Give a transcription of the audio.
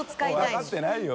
わかってないよ